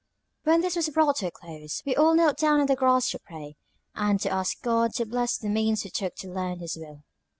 When this was brought to a close, we all knelt down on the grass to pray, and to ask God to bless the means we took to learn His will.